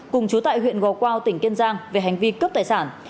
cùng chú tại huyện gò quao tỉnh kiên giang về hành vi cướp tài sản